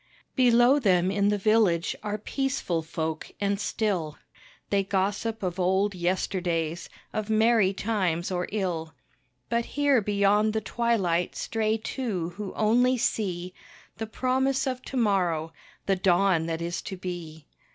Below them in the village are peaceful folk and still, They gossip of old yesterdays, of merry times or ill. But here beyond the twilight stray two who only see The promise of to morrow the dawn that is to be.